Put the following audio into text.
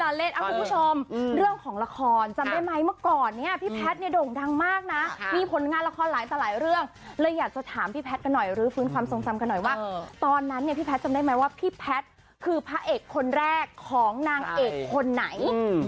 เล่นคุณผู้ชมเรื่องของละครจำได้ไหมเมื่อก่อนเนี่ยพี่แพทย์เนี่ยโด่งดังมากนะมีผลงานละครหลายต่อหลายเรื่องเลยอยากจะถามพี่แพทย์กันหน่อยรื้อฟื้นความทรงจำกันหน่อยว่าตอนนั้นเนี่ยพี่แพทย์จำได้ไหมว่าพี่แพทย์คือพระเอกคนแรกของนางเอกคนไหน